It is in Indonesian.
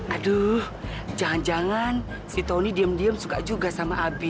aduh jangan jangan si tony diem diem suka juga sama abi